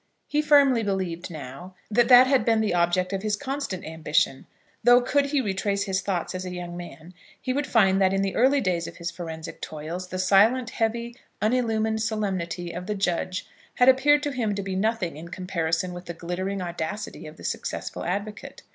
He firmly believed now, that that had been the object of his constant ambition; though could he retrace his thoughts as a young man, he would find that in the early days of his forensic toils, the silent, heavy, unillumined solemnity of the judge had appeared to him to be nothing in comparison with the glittering audacity of the successful advocate.